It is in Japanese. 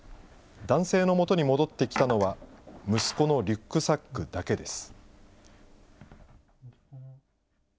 男性のもとに戻ってきたのは、息子のリュックサックだけです。